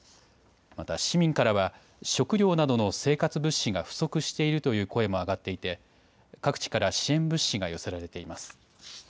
また市民からは食料などの生活物資が不足しているという声も上がっていて各地から支援物資が寄せられています。